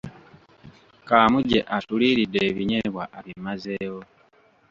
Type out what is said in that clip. Kaamugye atuliiridde ebinyeebwa abimazeewo